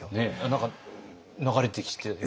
何か流れてきてね。